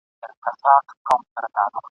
هم به جاله وي هم یکه زار وي ..